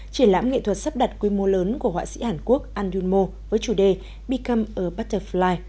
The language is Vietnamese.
triển lãm nghệ thuật sắp đặt quy mô lớn của họa sĩ hàn quốc andrew mo với chủ đề become a butterfly